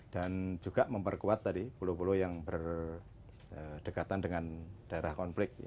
dan juga memperkuat tadi pulau pulau yang berdekatan dengan daerah konflik